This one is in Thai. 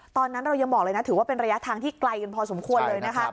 ตอนนั้นเรายังบอกเลยนะถือว่าเป็นระยะทางที่ไกลกันพอสมควรเลยนะคะ